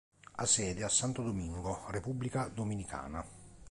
Ha sede a Santo Domingo, Repubblica Dominicana.